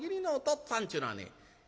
っつぁんっちゅうのはね